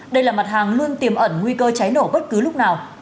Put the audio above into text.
đây là mặt hàng luôn tiềm ẩn nguy cơ cháy nổ bất cứ lúc nào